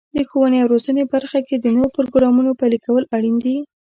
د ښوونې او روزنې برخه کې د نوو پروګرامونو پلي کول اړین دي.